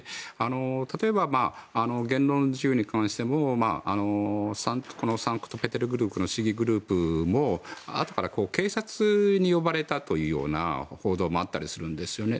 例えば、言論の自由に関してもこのサンクトペテルブルクの市議グループもあとから警察に呼ばれたというような報道もあったりするんですよね。